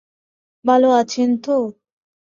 ভালো আছেন তো?